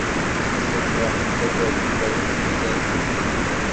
Zik d tajmeɛt n taddart i iferrun timsal.